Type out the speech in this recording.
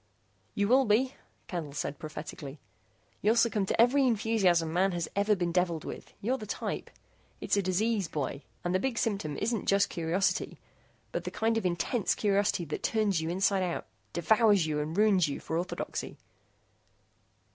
"You will be," Candle said prophetically, "you'll succumb to every enthusiasm man has ever been deviled with. You're the type. It's a disease, boy, and the big symptom isn't just curiosity, but the kind of intense curiosity that turns you inside out, devours you and ruins you for orthodoxy."